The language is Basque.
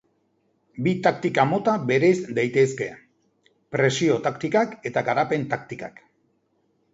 Bi taktika mota bereiz daitezke: presio taktikak eta garapen taktikak.